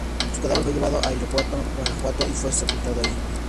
Su cadáver fue llevado a Irapuato, Guanajuato y fue sepultado ahí.